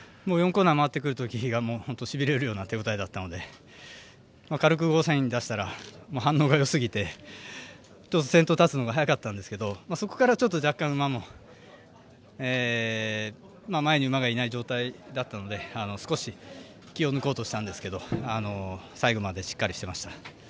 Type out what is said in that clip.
コーナー回ってくるときしびれるような手応えだったので軽くゴーサイン出したら反応がよすぎて先頭立つのが早かったんですがそこから若干、馬も前に馬がいない状態だったので少し気を抜こうとしたんですけど最後までしっかりしてました。